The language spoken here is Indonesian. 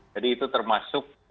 jadi itu termasuk